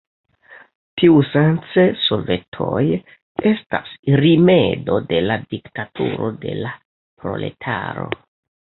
Tiusence sovetoj estas rimedo de la diktaturo de la proletaro.